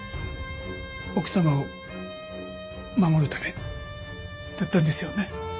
奥様を守るためだったんですよね？